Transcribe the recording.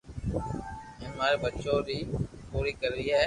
ھين ماري ٻچو ري بو پوري ڪروي